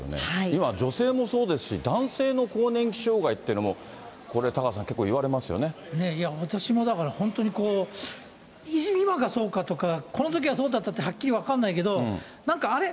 今、女性もそうですし、男性の更年期障害っていうのも、これタカ私もだから、本当に、今がそうかとか、このときはそうだったってはっきり分かんないけど、なんか、あれ？